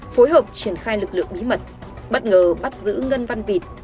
phối hợp triển khai lực lượng bí mật bất ngờ bắt giữ ngân văn pịt